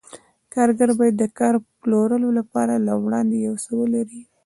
کارګر باید د کار پلورلو لپاره له وړاندې یو څه ولري